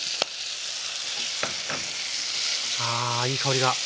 あいい香りが。